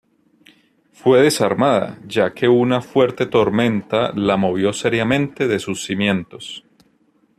Fue desarmada, ya que una fuerte tormenta la movió seriamente de sus cimientos.